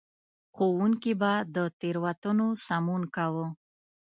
ښوونکي به د تېروتنو سمون کاوه.